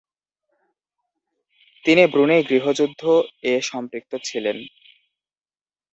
তিনি ব্রুনেই গৃহযুদ্ধ - এ সম্পৃক্ত ছিলেন।